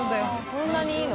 こんなにいいの？